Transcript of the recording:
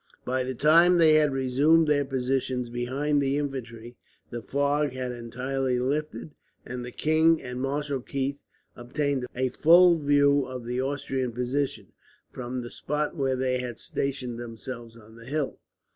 By the time they had resumed their positions behind the infantry, the fog had entirely lifted; and the king and Marshal Keith obtained a full view of the Austrian position, from the spot where they had stationed themselves on the hill.